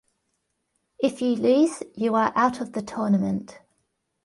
If you lose, you are out of the tournament.